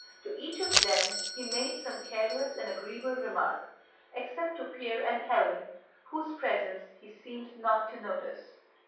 To each of them he made some careless and agreeable remark except to Pierre and Hélène, whose presence he seemed not to notice.